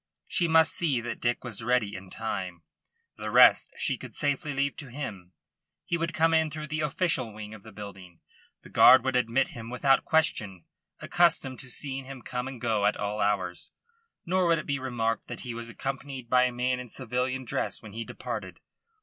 She must see that Dick was ready in time. The rest she could safely leave to him. He would come in through the official wing of the building. The guard would admit him without question, accustomed to seeing him come and go at all hours, nor would it be remarked that he was accompanied by a man in civilian dress when he departed.